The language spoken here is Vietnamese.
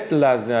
thưa quý vị